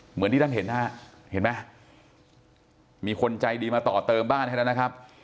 เหมือนที่ท่านเห็นนะฮะเห็นไหมมีคนใจดีมาต่อเติมบ้านให้แล้วนะครับ